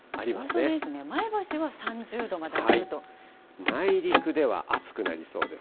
本当ですね、前橋は３０度ま内陸では暑くなりそうです。